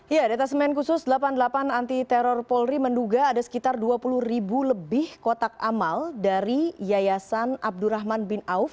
ya data semen khusus delapan puluh delapan anti teror polri menduga ada sekitar dua puluh ribu lebih kotak amal dari yayasan abdurrahman bin auf